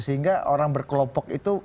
sehingga orang berkelompok itu